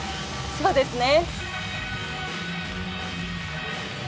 そうですね。